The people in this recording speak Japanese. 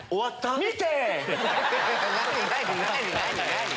見て。